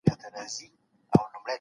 د ښووني سره سم دي د هغې ښځي درملنه وکړي.